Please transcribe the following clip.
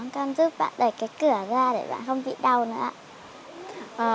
bạn đẩy cái cửa ra để bạn không bị đau nữa ạ